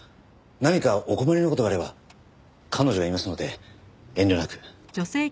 何かお困りの事があれば彼女がいますので遠慮なく。